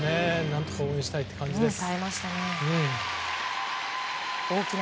何とか応援したい感じです。